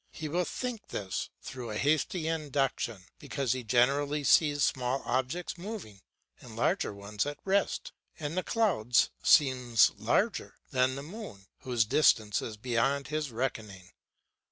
He will think this through a hasty induction, because he generally sees small objects moving and larger ones at rest, and the clouds seems larger than the moon, whose distance is beyond his reckoning.